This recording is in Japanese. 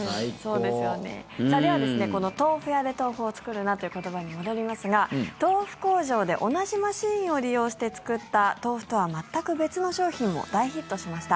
では、この豆腐屋で豆腐を作るなという言葉に戻りますが、豆腐工場で同じマシンを利用して作った豆腐とは全く別の商品も大ヒットしました。